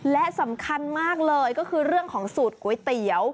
และสำคัญมากเลยก็คือเรื่องของสูตรก๋วยเตี๋ยว